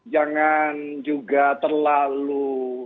jangan juga terlalu